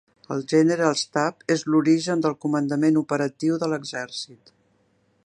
El Generalstab és l'origen del Comandament Operatiu de l'Exèrcit.